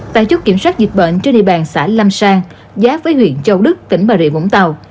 tại chốt kiểm soát dịch bệnh trên địa bàn xã lâm sang giáp với huyện châu đức tỉnh bà rịa vũng tàu